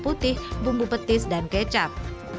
tetapi juga untuk pal chills